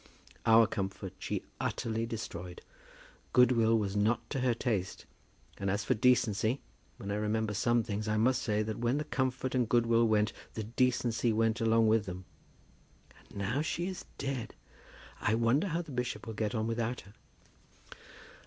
Our comfort she utterly destroyed. Good will was not to her taste. And as for decency, when I remember some things, I must say that when the comfort and good will went, the decency went along with them. And now she is dead! I wonder how the bishop will get on without her."